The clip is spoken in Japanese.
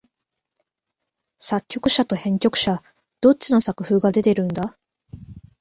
作曲者と編曲者、どっちの作風が出てるんだ？